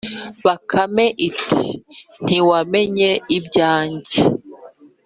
bakame iti: “ntiwamenya ibyange.